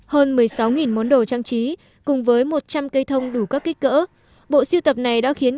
hơn một mươi sáu món đồ trang trí cùng với một trăm linh cây thông đủ các kích cỡ bộ siêu tập này đã khiến